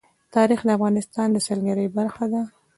تاریخ د افغانستان د سیلګرۍ برخه ده.